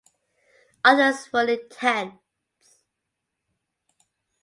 Others were in tents.